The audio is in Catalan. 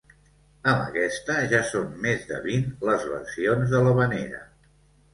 Amb aquesta ja són més de vint les versions de l'havanera.